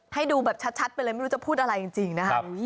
ให้ดูแบบชัดไปเลยไม่รู้จะพูดอะไรจริงนะครับ